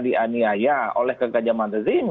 dianiaya oleh kegajaman rezim